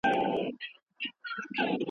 اکسیجن څنګه روغتونونو ته رسیږي؟